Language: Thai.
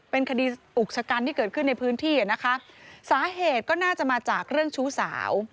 เป็นคดีอุกชะกันที่เกิดขึ้นในพื้นที่อ่ะนะคะสาเหตุก็น่าจะมาจากเรื่องชู้สาว